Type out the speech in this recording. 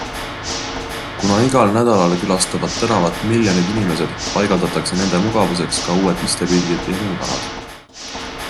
Kuna igal nädalal külastavad tänavat miljonid inimesed, paigaldatakse nende mugavuseks ka uued istepingid ja muud alad.